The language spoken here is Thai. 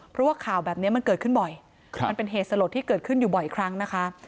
เพราะว่าข่าวแบบนี้มันเกิดขึ้นบ่อยมันเป็นเหตุสลดที่เกิดขึ้นอยู่บ่อยครั้งนะคะ